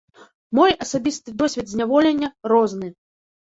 Мой асабісты досвед зняволення розны.